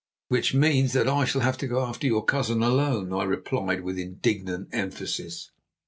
"Which means that I shall have to go after your cousin alone," I replied with indignant emphasis.